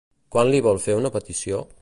Quan li vol fer una petició?